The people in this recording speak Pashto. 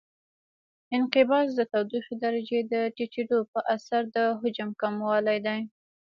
انقباض د تودوخې درجې د ټیټېدو په اثر د حجم کموالی دی.